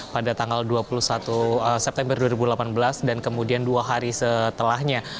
pada tanggal dua puluh satu september dua ribu delapan belas dan kemudian dua hari setelahnya